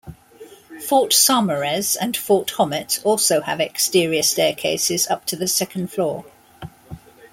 Fort Saumarez and Fort Hommet also have exterior staircases up to the second floor.